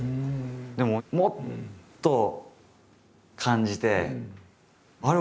でももっと感じてあれ？